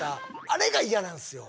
あれが嫌なんですよ